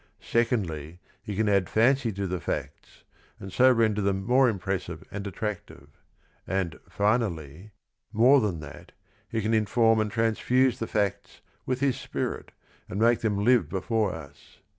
Secondly, he can add fancy to the facts and so render them more impressive and attractive. And, finally, more than that, he can inform and transfuse the facts with his spirit and make them live before us.